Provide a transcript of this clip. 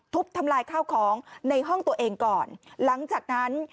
ทำลายข้าวของในห้องตัวเองก่อนหลังจากนั้น